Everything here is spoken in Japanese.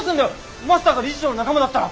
マスターが理事長の仲間だったら。